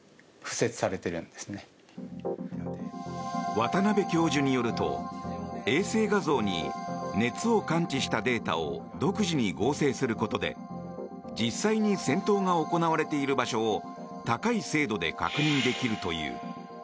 渡邉教授によると、衛星画像に熱を感知したデータを独自に合成することで実際に戦闘が行われている場所を高い精度で確認できるという。